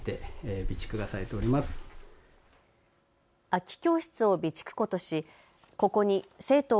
空き教室を備蓄庫としここに生徒